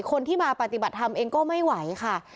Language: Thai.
คนที่มาปฏิบัติธรรมเองก็ไม่ไหวค่ะ